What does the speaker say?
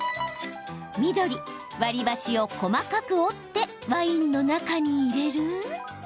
緑・割り箸を細かく折ってワインの中に入れる？